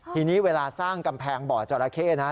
ทีนี้เวลาสร้างกำแพงบ่อจราเข้นะ